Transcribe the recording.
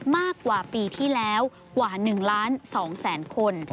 มากกว่าปีที่แล้วกว่า๑๒๐๐๐๐๐คน